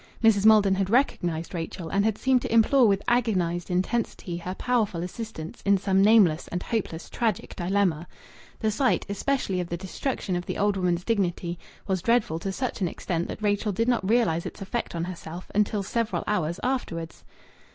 Mrs. Maldon had recognized Rachel, and had seemed to implore with agonized intensity her powerful assistance in some nameless and hopeless tragic dilemma. The sight especially of the destruction of the old woman's dignity was dreadful to such an extent that Rachel did not realize its effect on herself until several hours afterwards.